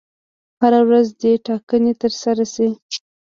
هره ورځ دي ټاکنې ترسره شي.